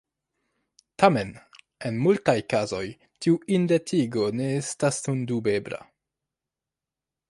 Tamen en multaj kazoj tiu identigo ne estas sendube ebla.